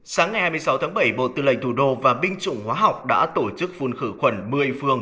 sáng ngày hai mươi sáu tháng bảy bộ tư lệnh thủ đô và binh chủng hóa học đã tổ chức phun khử khuẩn một mươi phương